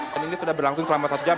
dan ini sudah berlangsung selama satu jam